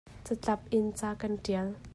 Catlap in ca kan ṭial.